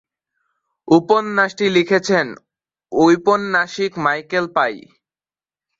উপন্যাসটি লিখেছেন ঔপন্যাসিক মাইকেল পাই।